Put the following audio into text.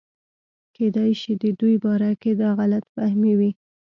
کېدے شي دَدوي باره کښې دا غلط فهمي وي